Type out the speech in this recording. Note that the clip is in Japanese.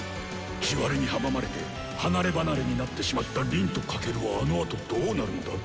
地割れに阻まれて離れ離れになってしまった凛と翔はあのあとどうなるんだ？